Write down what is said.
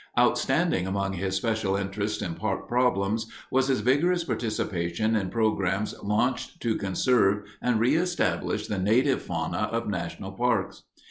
Outstanding among his special interests in park problems was his vigorous participation in programs launched to conserve and reëstablish the native fauna of national parks.